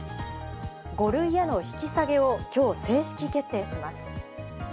５類への引き下げを今日、正式決定します。